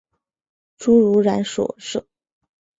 侏儒蚺属而设。